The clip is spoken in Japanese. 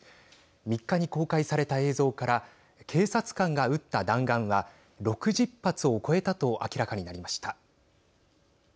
３日に公開された映像から警察官が撃った弾丸は６０発を超えたと明らかになりました。